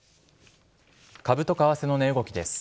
株と為替の値動きです。